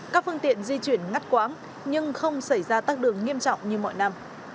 các phương tiện di chuyển ngắt quãng nhưng không xảy ra tắc đường nghiêm trọng như mọi năm